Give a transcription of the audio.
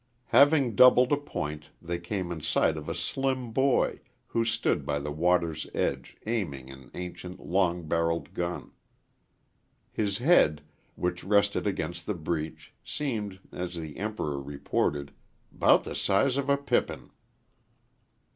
Having doubled a point, they came in sight of a slim boy who stood by the water's edge aiming an ancient, long barrelled gun. His head, which rested against the breech, seemed, as the Emperor reported, "'bout the size of a pippin."